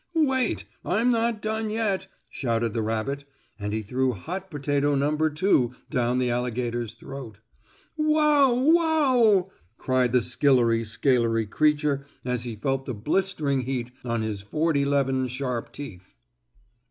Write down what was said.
"Wait, I'm not done yet," shouted the rabbit, and he threw hot potato number two down the alligator's throat. "Wow! Wow!" cried the skillery scalery creature as he felt the blistering heat on his forty 'leven sharp teeth.